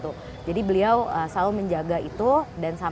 mereka selalu ist interess e dalam semangat soal nobody